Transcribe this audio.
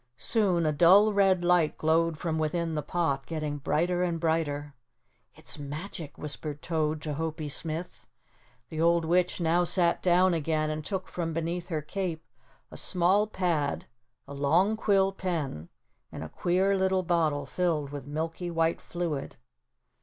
Soon a dull red light glowed from within the pot, getting brighter and brighter. "It's magic," whispered Toad to Hopie Smith. The old witch now sat down again and took from beneath her cape a small pad, a long quill pen and a queer little bottle filled with milky white fluid.